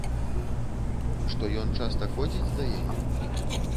Што ён часта ходзіць да яе?